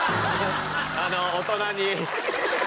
あの大人に。